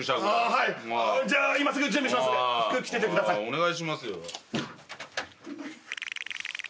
お願いしますよ。